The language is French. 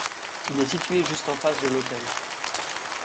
Il est situé juste en face de l'autel.